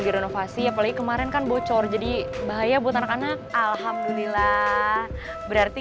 lebih renovasi apalagi kemarin kan bocor jadi bahaya butang karena alhamdulillah berarti